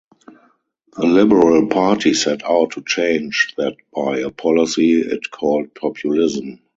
The Liberal Party set out to change that by a policy it called populism.